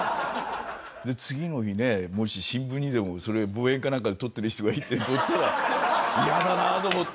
次の日ねもし新聞にでもそれを望遠かなんかで撮ってる人がいて載ったら嫌だなと思って。